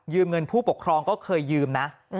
เงินผู้ปกครองก็เคยยืมนะ